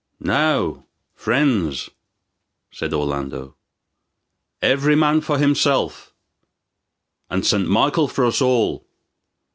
"Now, friends," said Orlando, "every man for himself, and St. Michael for us all!